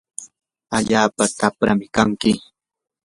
allaapa tapram kanki.